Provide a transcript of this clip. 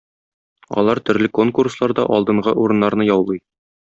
Алар төрле конкурсларда алдынгы урыннарны яулый.